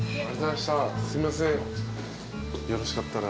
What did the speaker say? すいませんよろしかったら。